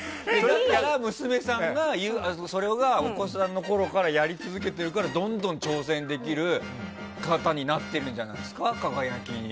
だから、娘さんがそれをお子さんのころからやり続けているからどんどん挑戦できる方になってるんじゃないんですか輝きに。